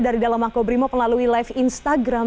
dari dalam makobrimob melalui live instagram